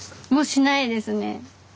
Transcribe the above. しないですね。